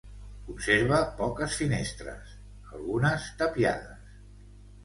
Conserva poques finestres, algunes tapiades.